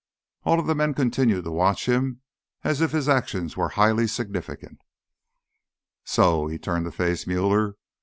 All of the men continued to watch him as if his actions were highly significant. "So—" he turned to face Muller.